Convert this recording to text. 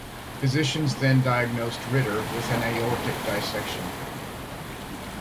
Physicians then diagnosed Ritter with an aortic dissection.